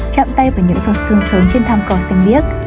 chạm tay vào những giọt sương sớm trên tham cò xanh biếc